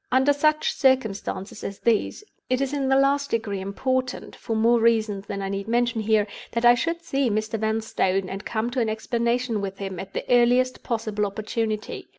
"Under such circumstances as these, it is in the last degree important—for more reasons than I need mention here—that I should see Mr. Vanstone, and come to an explanation with him, at the earliest possible opportunity.